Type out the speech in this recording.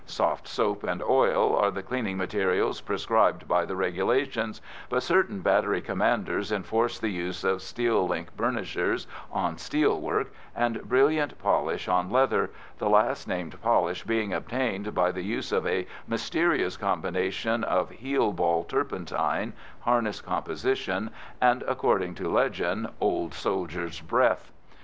"Soft soap and oil" are the cleaning materials prescribed by the regulations, but certain battery commanders enforce the use of steel link burnishers on steel work, and brilliant polish on leather, the last named polish being obtained by the use of a mysterious combination of heel ball, turpentine, harness composition, and, according to legend, old soldiers' breath.